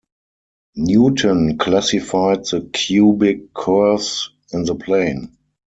Newton classified the cubic curves in the plane.